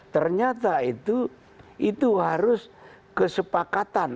ternyata itu harus kesepakatan